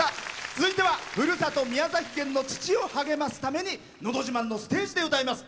続いてはふるさと宮崎県の父を励ますために「のど自慢」のステージで歌います。